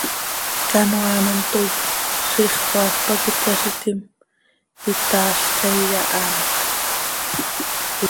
Canoaa an hant tooit, ziix coaafp pac ityaazitim, itaazlca, iyahaanpx.